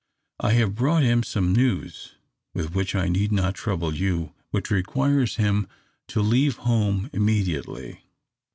I have brought him some news, with which I need not trouble you, which requires him to leave home immediately."